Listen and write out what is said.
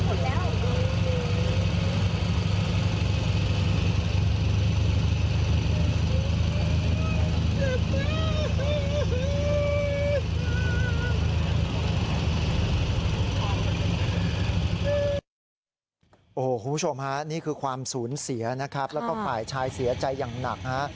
คุณผู้ชมฮะนี่คือความสูญเสียนะครับแล้วก็ฝ่ายชายเสียใจอย่างหนักฮะ